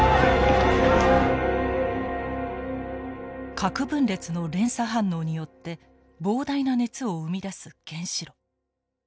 核分裂の連鎖反応によって膨大な熱を生み出す原子炉。